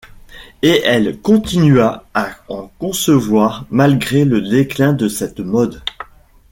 Et elle continua à en concevoir malgré le déclin de cette mode.